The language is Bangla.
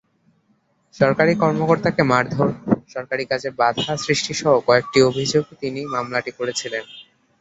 সরকারি কর্মকর্তাকে মারধর, সরকারি কাজে বাধা সৃষ্টিসহ কয়েকটি অভিযোগে তিনি মামলাটি করেছিলেন।